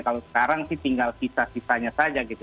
kalau sekarang sih tinggal kisah kisahnya saja gitu